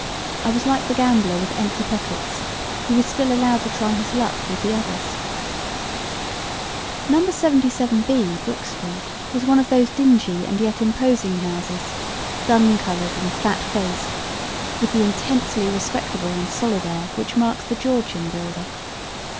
I was like the gambler with empty pockets, who is still allowed to try his luck with the others. No. 77B, Brook Street, was one of those dingy and yet imposing houses, dun coloured and flat faced, with the intensely respectable and solid air which marks the Georgian builder.